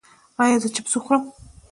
ایا زه چپس وخورم؟